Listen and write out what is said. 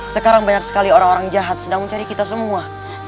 sekarang banyak sekali orang orang jahat sedang mencari kita semua